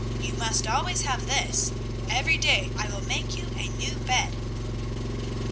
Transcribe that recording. You must always have this; every day I will make you a new bed!"